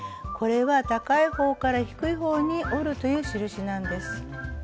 これは「高い方から低い方に折る」という印なんです。